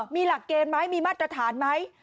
มีหลักเกณฑ์ไหมมีมาตรฐานไหม